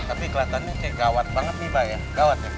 tapi kelihatannya kayak gawat banget nih pak ya gawat ya